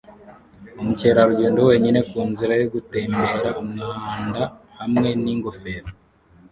umukerarugendo wenyine ku nzira yo gutembera umwanda hamwe n'ingofero